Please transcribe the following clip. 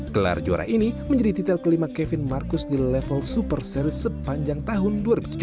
gelar juara ini menjadi titel kelima kevin marcus di level super series sepanjang tahun dua ribu tujuh belas